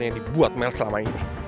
yang dibuat mels selama ini